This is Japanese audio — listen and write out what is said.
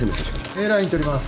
Ａラインとります。